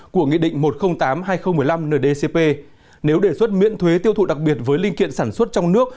của nghị định một trăm linh tám hai nghìn một mươi năm ndcp nếu đề xuất miễn thuế tiêu thụ đặc biệt với linh kiện sản xuất trong nước